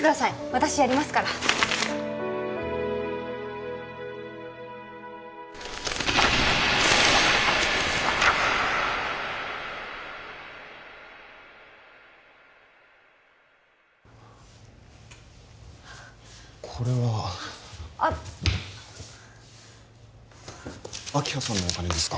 私やりますからこれはあっ明葉さんのお金ですか？